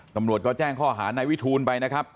ตำรวจก็แจ้งข้อหานายวิทูลไปนะครับ